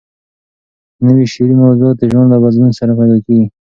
نوي شعري موضوعات د ژوند له بدلون سره پیدا کېږي.